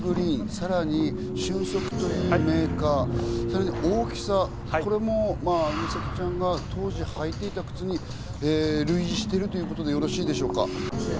さらに瞬足というメーカー、大きさ、これも美咲ちゃんが当時履いていた靴に類似しているということでよろしいでしょうか？